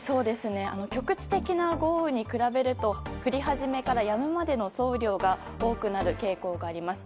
局地的な豪雨に比べると降り始めからやむまでの総雨量が多くなる傾向があります。